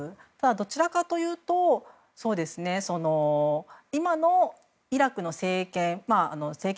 どちらかというと今のイラクの政権。